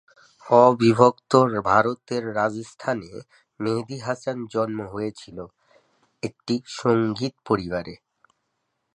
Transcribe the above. অবিভক্ত ভারতের রাজস্থানে মেহেদী হাসান জন্ম হয়েছিল একটি সঙ্গীত পরিবারে।